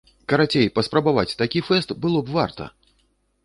Карацей, паспрабаваць такі фэст было б варта!